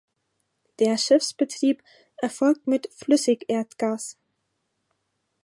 Der Schiffsbetrieb erfolgt mit Flüssigerdgas.